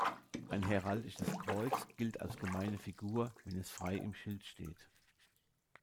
Ein heraldisches Kreuz gilt als gemeine Figur, wenn es frei im Schild steht.